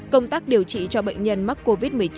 công tác điều trị cho bệnh nhân mắc covid một mươi chín